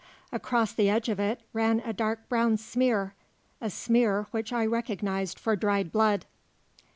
Across the edge of it ran a dark brown smear a smear which I recognized for dried blood.